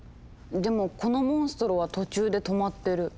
でもこのモンストロは途中で止まってる。